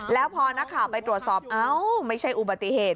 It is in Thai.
แล้วพอนักข่าวไปตรวจสอบเอ้าไม่ใช่อุบัติเหตุ